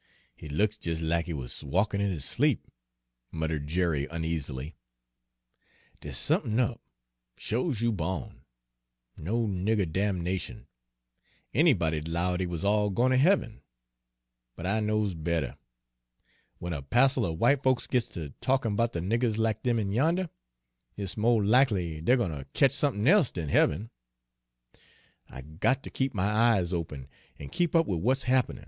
"He looks jes' lack he wuz walkin' in his sleep," muttered Jerry uneasily. "Dere's somethin' up, sho 's you bawn! 'No nigger damnation!' Anybody'd 'low dey wuz all gwine ter heaven; but I knows better! W'en a passel er w'ite folks gits ter talkin' 'bout de niggers lack dem in yander, it's mo' lackly dey're gwine ter ketch somethin' e'se dan heaven! I got ter keep my eyes open an' keep up wid w'at's happenin'.